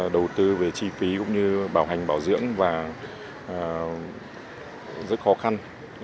đầu tư về chi phí cũng như bảo hành bảo dưỡng và rất khó khăn